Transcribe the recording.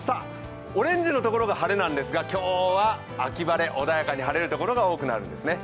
オレンジのところが晴れなんですが、今日は秋晴れ、穏やかに晴れるところが多くなるんですね。